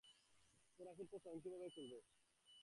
প্যারাসুটটা স্বয়ংক্রিয়ভাবে খুলবে।